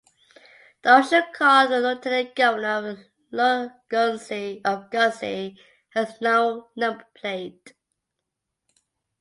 The official car of the Lieutenant Governor of Guernsey has no number plate.